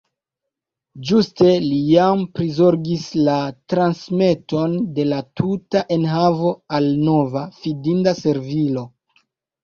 Ĝuste li jam prizorgis la transmeton de la tuta enhavo al nova, findinda servilo.